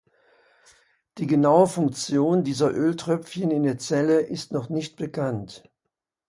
Die genaue Funktion dieser Öltröpfchen in der Zelle ist noch nicht bekannt.